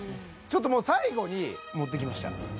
ちょっともう最後に持ってきました